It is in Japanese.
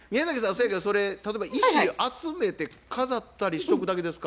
そやけどそれ例えば石集めて飾ったりしとくだけですか？